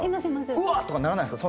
「うわっ！」とかならないんすか？